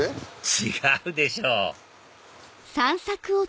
違うでしょ